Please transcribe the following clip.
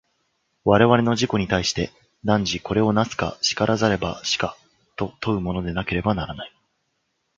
我々の自己に対して、汝これを為すか然らざれば死かと問うものでなければならない。